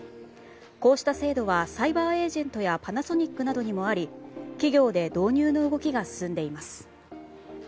こうした制度はサイバーエージェントやパナソニックにもあり企業で導入の動きが進んでいます。